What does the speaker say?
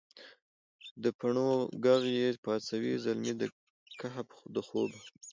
دپڼو ږغ یې پاڅوي زلمي د کهف دخوبه